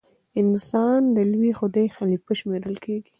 انسان د لوی خدای خلیفه شمېرل کیږي.